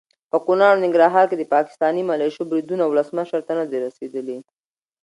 په کنړ او ننګرهار کې د پاکستاني ملیشو بریدونه ولسمشر ته ندي رسېدلي.